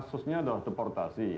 kasusnya adalah deportasi